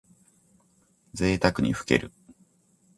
ぜいたくにふける。